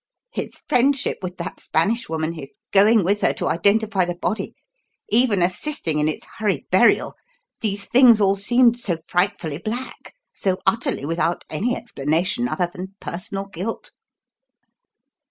His friendship with that Spanish woman; his going with her to identify the body even assisting in its hurried burial! These things all seemed so frightfully black so utterly without any explanation other than personal guilt."